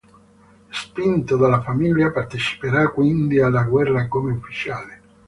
Spinto dalla famiglia parteciperà quindi alla guerra come ufficiale.